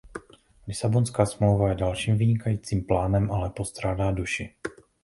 Lisabonská smlouva je dalším vynikajícím plánem, ale postrádá duši.